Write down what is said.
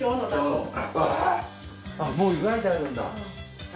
もう湯がいてあるんだ。